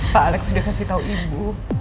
pak alex udah kasih tau ibu